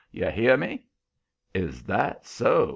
You hear ME?" "Is that so?"